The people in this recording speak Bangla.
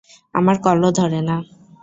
আমার কলও ধরে না।